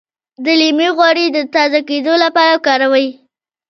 د لیمو غوړي د تازه کیدو لپاره وکاروئ